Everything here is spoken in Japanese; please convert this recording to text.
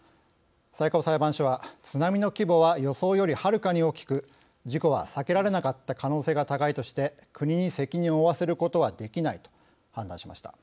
最高裁判所は津波の規模は予測よりはるかに大きく事故は避けられなかった可能性が高いとして国に責任を負わせることはできないと判断しました。